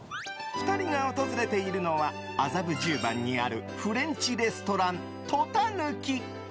２人が訪れているのは麻布十番にあるフレンチレストランｔｏｔａｎｕｋｉ。